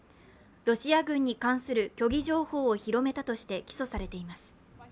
ロシア軍に関する虚偽情報を広めたとして起訴されています。